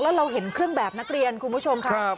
แล้วเราเห็นเครื่องแบบนักเรียนคุณผู้ชมค่ะ